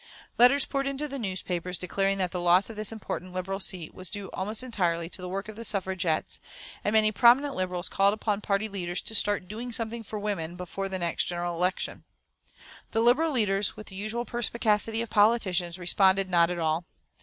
Letters poured into the newspapers, declaring that the loss of this important Liberal seat was due almost entirely to the work of the Suffragettes, and many prominent Liberals called upon party leaders to start doing something for women before the next general election. The Liberal leaders, with the usual perspicacity of politicians, responded not at all.